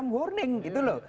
memberi semacam warning gitu loh